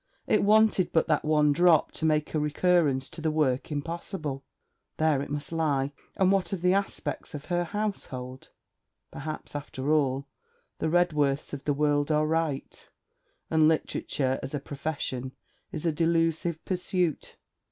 It wanted but that one drop to make a recurrence to the work impossible. There it must lie! And what of the aspects of her household? Perhaps, after all, the Redworths of the world are right, and Literature as a profession is a delusive pursuit.